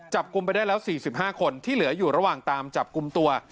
จับกลุ่มไปได้แล้ว๔๕คนที่เหลืออยู่ระหว่างตามจับกลุ่มตัว